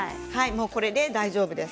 これで大丈夫です。